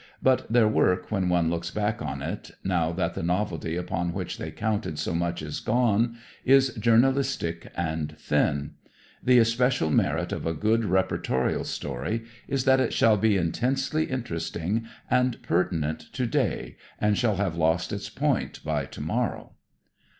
But their work, when one looks back on it, now that the novelty upon which they counted so much is gone, is journalistic and thin. The especial merit of a good reportorial story is that it shall be intensely interesting and pertinent today and shall have lost its point by tomorrow.